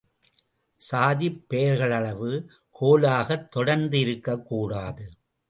சாதிப் பெயர்கள் அளவு கோலாகத் தொடர்ந்து இருக்கக் கூடாது.